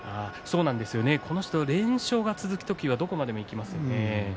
この人が連勝が続く時はどこまでもいきますよね。